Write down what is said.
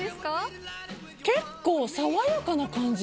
結構、爽やかな感じ。